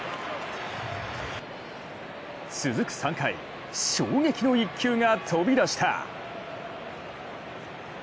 続く３回、衝撃の一球が飛び出した。